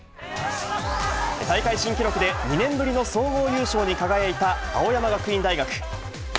大会新記録で２年ぶりの総合優勝に輝いた青山学院大学。